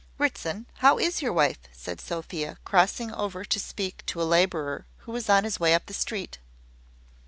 "Ritson, how is your wife?" said Sophia, crossing over to speak to a labourer who was on his way up the street.